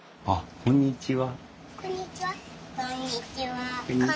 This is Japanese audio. こんにちは。